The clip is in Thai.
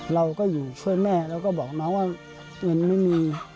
เราก็อยู่ช่วยแม่แล้วก็บอกน้องว่าเงินไม่มี